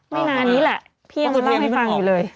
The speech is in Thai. ไม่นานนี้แหละพี่ยังเล่าให้ฟังอยู่เลย